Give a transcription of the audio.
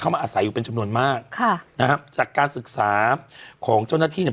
มาอาศัยอยู่เป็นจำนวนมากค่ะนะฮะจากการศึกษาของเจ้าหน้าที่เนี่ย